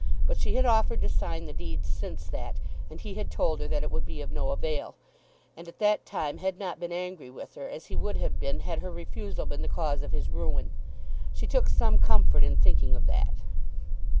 But she had offered to sign the deeds since that, and he had told her that it would be of no avail, and at that time had not been angry with her as he would have been had her refusal been the cause of his ruin. She took some comfort in thinking of that.